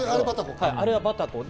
あれはバタコで。